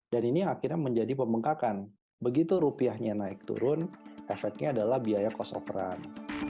dan ini akhirnya menjadi pembengkakan begitu rupiahnya naik turun efeknya adalah biaya cost of run